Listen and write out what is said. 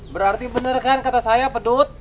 berarti bener kan kata saya pedut